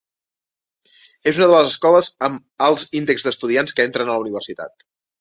És una de les escoles amb alts índexs d'estudiants que entren a la universitat.